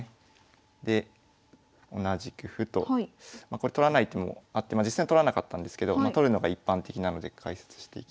これ取らないともう実際取らなかったんですけど取るのが一般的なので解説していきます。